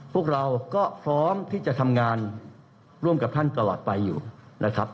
พวกเราก็พร้อมที่จะทำงานร่วมกับท่านตลอดไปอยู่นะครับ